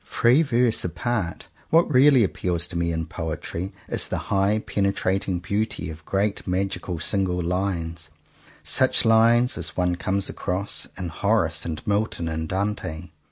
Free Verse apart, what really appeals to me in poetry is the high penetrating beauty of great magical single lines: such lines as one comes across in Horace and Milton and Dante.